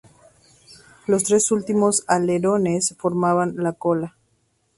Los tres últimos alerones formaban la cola.